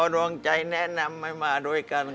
อ๋อดวงใจแนะนำให้มาด้วยกันครับ